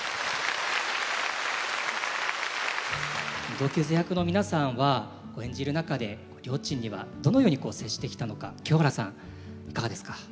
同級生役の皆さんは演じる中でりょーちんにはどのように接してきたのか清原さんいかがですか？